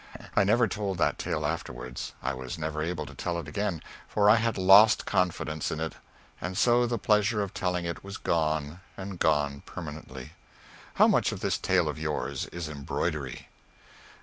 I never told that tale afterwards I was never able to tell it again, for I had lost confidence in it, and so the pleasure of telling it was gone, and gone permanently. How much of this tale of yours is embroidery?"